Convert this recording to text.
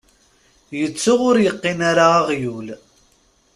Yettu ur yeqqin ara aɣyul.